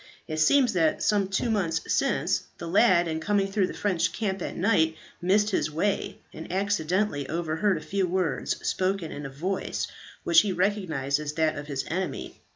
It seems that some two months since, the lad in coming through the French camp at night missed his way, and accidentally overheard a few words spoken in a voice which he recognized as that of his enemy.